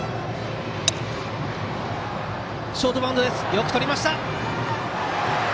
よくとりました。